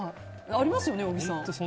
ありますよね、小木さん。